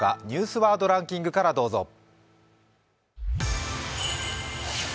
「ニュースワードランキング」からどうぞ。